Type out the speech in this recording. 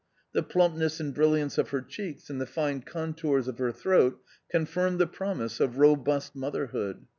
The plumpness and brilliance of her cheeks and the fine contours of her throat confirmed the promise of robust mother hood.